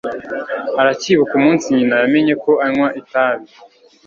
aracyibuka umunsi nyina yamenye ko anywa itabi